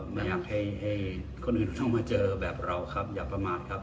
ไม่อยากให้คนอื่นเข้ามาเจอแบบเราครับอย่าประมาทครับ